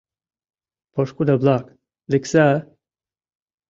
Пошкудо-влак, лекса-а!